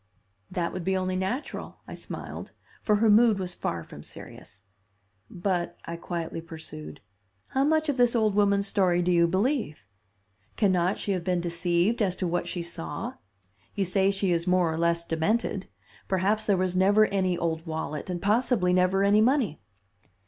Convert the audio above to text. "That would be only natural," I smiled, for her mood was far from serious. "But," I quietly pursued, "how much of this old woman's story do you believe? Can not she have been deceived as to what she saw? You say she is more or less demented. Perhaps there never was any old wallet, and possibly never any money."